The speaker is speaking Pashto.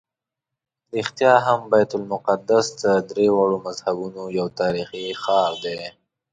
رښتیا هم بیت المقدس د درېواړو مذهبونو یو تاریخي ښار دی.